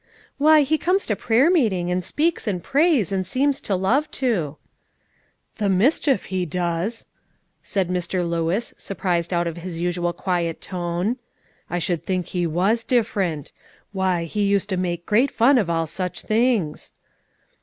"Why, he comes to prayer meeting, and speaks and prays, and seems to love to." "The mischief he does!" said Mr. Lewis, surprised out of his usual quiet tone. "I should think he was different. Why, he used to make great fun of all such things."